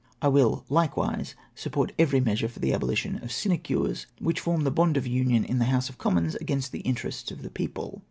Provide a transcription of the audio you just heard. I will likewise support every measure for the abolition of sinecures, which form the bond of union in the House of Commons against the interests of the people.